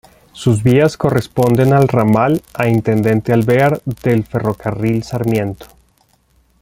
Sus vías corresponden al Ramal a Intendente Alvear del Ferrocarril Sarmiento.